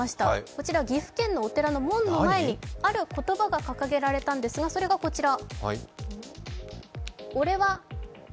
こちら岐阜県のお寺のある門の前に掲げられたんですが、それがこちら。